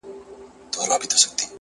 • زه د جنتونو و اروا ته مخامخ يمه؛